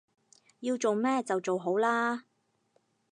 要做咩就好做喇